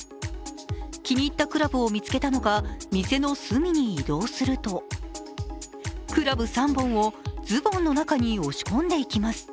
気に入ったクラブを見つけたのか店の隅に移動するとクラブ３本を、ズボンの中に押し込んでいきます。